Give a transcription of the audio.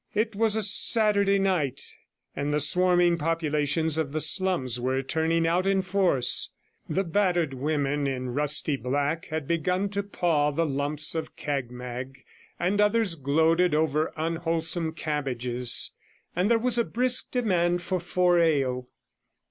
It was a Saturday night, and the swarming populations of the slums were turning out in force; the battered women in rusty black had begun to paw the lumps of cagmag, and others gloated over unwholesome cabbages, and there was a brisk demand for four ale.